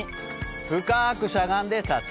深くしゃがんで立つ。